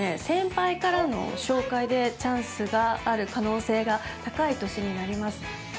先輩からの紹介でチャンスがある可能性が高い年になります